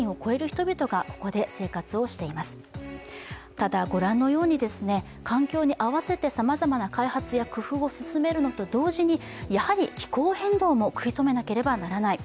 ただ、ご覧のように環境に合わせてさまざまな開発や工夫を進めるのと同時にやはり気候変動も食い止めなければいけない。